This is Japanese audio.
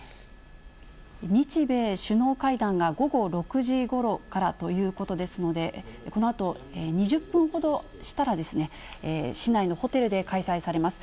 日米首脳会談が午後６時ごろからということですので、このあと、２０分ほどしたら、市内のホテルで開催されます。